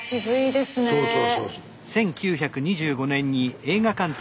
そうそうそうそう。